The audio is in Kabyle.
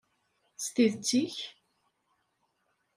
S tidet-ik?